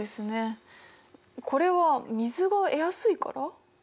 これは水が得やすいから？